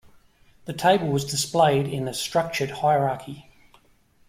The table was displayed in a structured hierarchy.